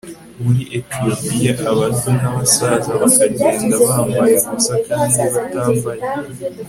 muri etiyopiya abato n abasaza bakagenda bambaye ubusa kandi batambaye